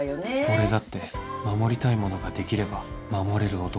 俺だって守りたいものができれば守れる男になれる。